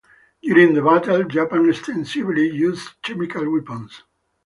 During the battle, Japan extensively used chemical weapons.